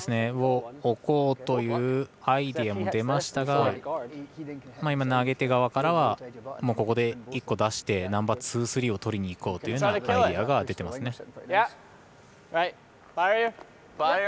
置こうというアイデアも出ましたが投げ手側からはここで１個出してナンバーツー、スリーをとりにいこうというアイデアが出ていますね。